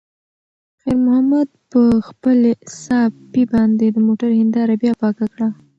خیر محمد په خپلې صافې باندې د موټر هینداره بیا پاکه کړه.